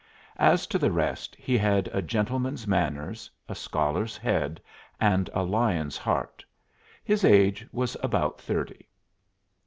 As to the rest, he had a gentleman's manners, a scholar's head, and a lion's heart. His age was about thirty.